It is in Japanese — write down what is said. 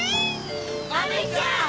アメちゃん！